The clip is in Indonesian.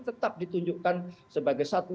tetap ditunjukkan sebagai satu